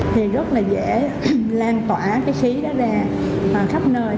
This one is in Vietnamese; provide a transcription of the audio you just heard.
thì rất là dễ lan tỏa cái khí đó ra khắp nơi